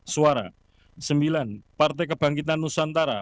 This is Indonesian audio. sembilan partai kebangkitan nusantara